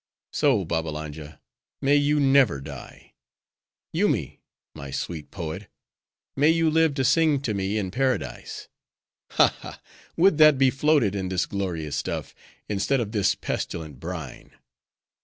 So, Babbalanja! may you never die. Yoomy! my sweet poet, may you live to sing to me in Paradise. Ha, ha! would that we floated in this glorious stuff, instead of this pestilent brine.